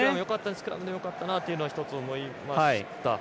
スクラムよかったですけどというのは思いました。